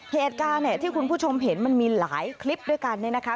เหตุการณ์เนี่ยที่คุณผู้ชมเห็นมันมีหลายคลิปด้วยกันเนี่ยนะคะ